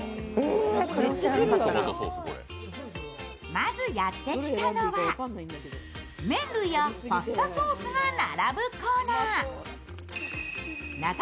まずやってきたのは、麺類やパスタソースが並ぶコーナー。